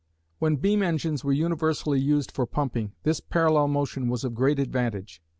When beam engines were universally used for pumping, this parallel motion was of great advantage.